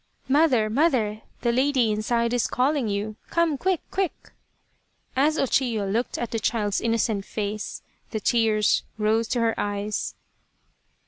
" Mother, Mother, the lady inside is calling you ! Come, quick, quick !" As O Chiyo looked at the child's innocent face the tears rose to her eyes.